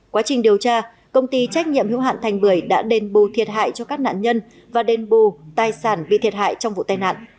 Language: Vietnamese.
quá trình điều tra công ty trách nhiệm hữu hạn thành bưởi đã đền bù thiệt hại cho các nạn nhân và đền bù tài sản bị thiệt hại trong vụ tai nạn